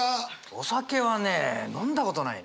お酒はね飲んだことないね。